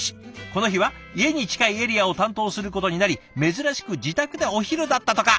この日は家に近いエリアを担当することになり珍しく自宅でお昼だったとか。